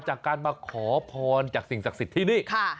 จากการมาขอพรจากสิ่งศักดิ์สิทธิ์ที่นี่